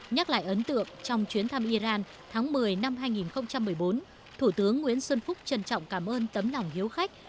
nhắc lại ấn tượng trong chuyến thăm iran tháng một mươi năm hai nghìn một mươi bốn thủ tướng nguyễn xuân phúc trân trọng cảm ơn tấm lòng hiếu khách